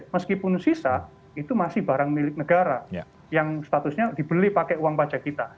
meskipun sisa itu masih barang milik negara yang statusnya dibeli pakai uang pajak kita